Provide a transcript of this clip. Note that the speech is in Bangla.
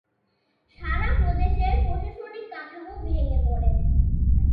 সারা প্রদেশের প্রশাসনিক কাঠামো ভেঙে পড়ে।